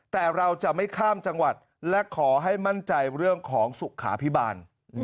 แต่เราจะไม่ข้ามจังหวัดและขอให้มั่นใจเรื่องของสุขาพิบาล